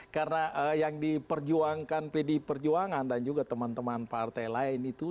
karena yang diperjuangkan pdi perjuangan dan juga teman teman partai lain itu